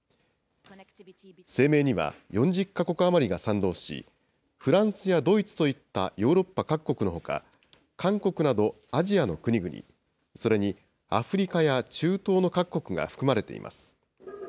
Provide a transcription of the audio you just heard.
声明には４０か国余りが賛同し、フランスやドイツといったヨーロッパ各国のほか、韓国などアジアの国々、それにアフリカや中東の各国が含まれています。